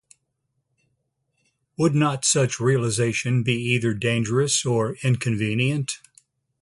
Would not such realization be either dangerous or inconvenient?